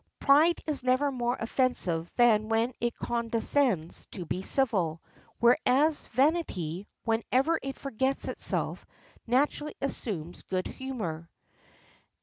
Pride is never more offensive than when it condescends to be civil; whereas vanity, whenever it forgets itself, naturally assumes good humor.